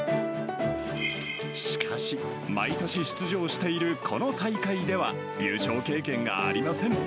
しかし、毎年出場しているこの大会では、優勝経験がありません。